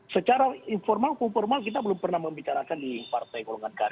secara informal pun formal kita belum pernah membicarakan di partai golkar